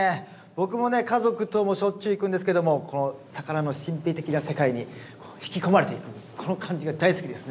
僕もね家族ともしょっちゅう行くんですけどもこの魚の神秘的な世界に引き込まれていくこの感じが大好きですね。